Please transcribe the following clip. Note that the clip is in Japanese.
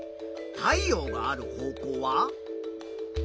太陽がある方向は？